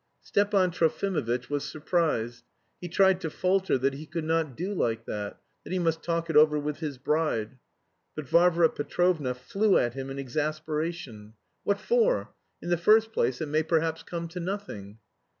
Stepan Trofimovitch was surprised. He tried to falter that he could not do like that, that he must talk it over with his bride. But Varvara Petrovna flew at him in exasperation. "What for? In the first place it may perhaps come to nothing."